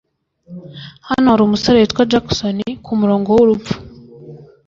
Hano hari umusore witwa Jackson kumurongo wurupfu.